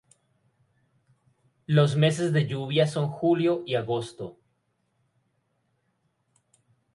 Los meses de lluvia son julio y agosto.